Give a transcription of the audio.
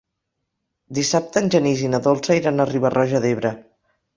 Dissabte en Genís i na Dolça iran a Riba-roja d'Ebre.